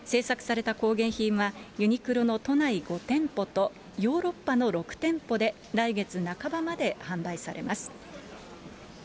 制作された工芸品はユニクロの都内５店舗と、ヨーロッパの６店舗で、来月半ばまで販売されます。